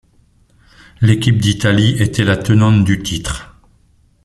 L'équipe d'Italie était la tenante du titre.